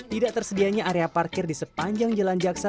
tidak tersedianya area parkir di sepanjang jalan jaksa